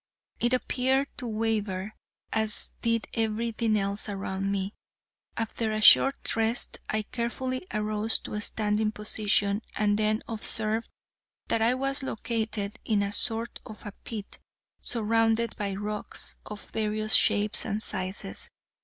It appeared to waver, as did everything else around me. After a short rest, I carefully arose to a standing position, and then observed that I was located in a sort of a pit, surrounded by rocks of various shapes and sizes.